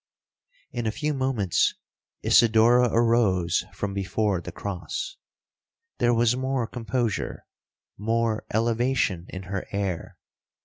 'In a few moments, Isidora arose from before the cross. There was more composure, more elevation in her air.